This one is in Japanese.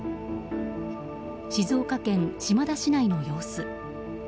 静岡県島田市内の様子。